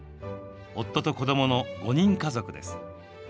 夫と子どもの５人家族です。